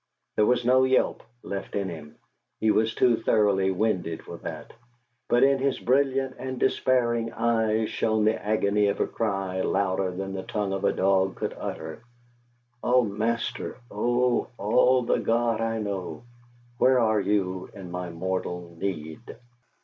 There was no yelp left in him he was too thoroughly winded for that, but in his brilliant and despairing eyes shone the agony of a cry louder than the tongue of a dog could utter: "O master! O all the god I know! Where are you in my mortal need?"